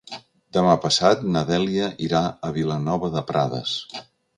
Demà passat na Dèlia irà a Vilanova de Prades.